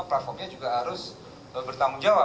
platformnya juga harus bertanggung jawab